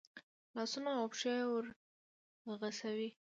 لاسونه او پښې ورغوڅوي.